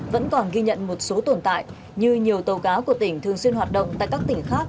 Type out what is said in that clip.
vẫn còn ghi nhận một số tồn tại như nhiều tàu cá của tỉnh thường xuyên hoạt động tại các tỉnh khác